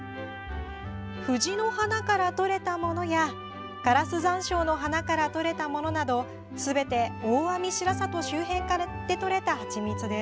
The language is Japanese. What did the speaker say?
藤の花から採れたものやカラスザンショウの花から採れたものなどすべて大網白里周辺で採れたハチミツです。